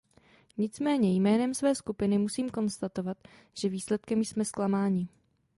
Nicméně jménem své skupiny musím konstatovat, že výsledkem jsme zklamáni.